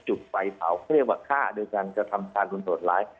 จุดไฟเผาเขาเรียกว่าฆ่าโดยการกระทำการคุณโหดร้าย